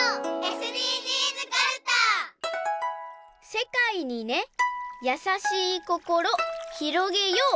「せかいにねやさしいこころひろげよう」。